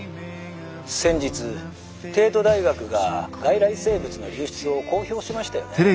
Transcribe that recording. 「先日帝都大学が外来生物の流出を公表しましたよね。